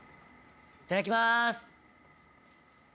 いただきます。